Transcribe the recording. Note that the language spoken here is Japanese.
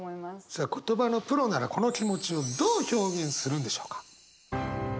さあ言葉のプロならこの気持ちをどう表現するんでしょうか。